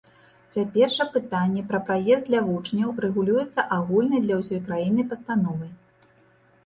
Цяпер жа пытанне пра праезд для вучняў рэгулюецца агульнай для ўсёй краіны пастановай.